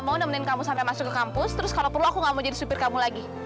mau nemenin kamu sampai masuk ke kampus terus kalau perlu aku gak mau jadi supir kamu lagi